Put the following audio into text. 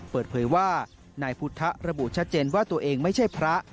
เปิดเผยว่านายพุทธระบุชัดเจนว่าตัวเองไม่ใช่พระ